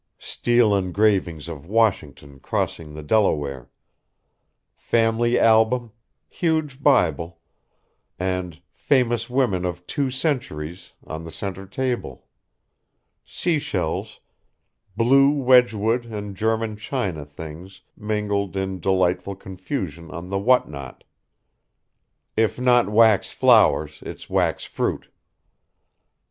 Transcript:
Steel engravings of Washington crossing the Delaware. Family album, huge Bible, and 'Famous Women of Two Centuries' on the centre table. Seashells, blue wedgwood and German china things mingled in delightful confusion on the what not. If not wax flowers, it's wax fruit."